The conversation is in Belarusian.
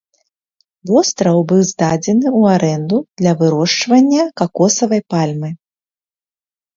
Востраў быў здадзены ў арэнду для вырошчвання какосавай пальмы.